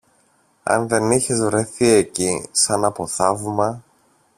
Αν δεν είχες βρεθεί εκεί, σαν από θαύμα